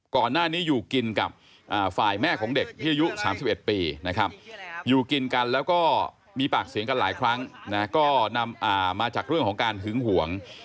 ก่อนหน้านี้อยู่กินกับฝ่ายแม่ของเด็กที่อายุ๓๑ปีนะครับอยู่กินกันแล้วก็มีปากเสียงกันหลายครั้งนะก็นำมาจากเรื่องของการหึงห่วง